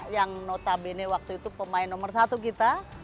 yang notabene waktu itu pemain nomor satu kita